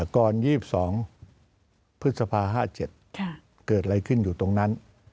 ๒๒พฤษภา๕๗เกิดอะไรขึ้นอยู่ตรงนั้น